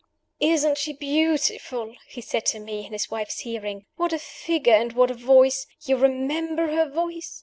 "Isn't she beautiful?" he said to me (in his wife's hearing!). "What a figure, and what a voice! You remember her voice?